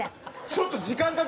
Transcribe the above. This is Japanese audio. ちょっと。